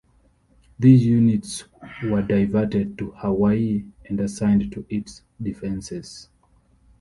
These units were diverted to Hawaii and assigned to its defenses.